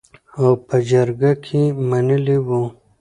او په جرګه کې منلې وو .